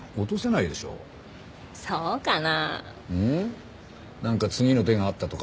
なんか次の手があったとか？